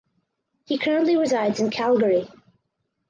He currently resides in Calgary.